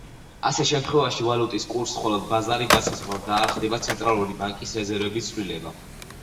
ასეთ შემთხვევაში ვალუტის კურსს მხოლოდ ბაზარი განსაზღვრავს და არ ხდება ცენტრალური ბანკის რეზერვების ცვლილება.